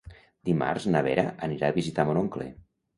Dimarts na Vera anirà a visitar mon oncle.